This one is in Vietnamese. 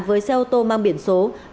với xe ô tô mang biển số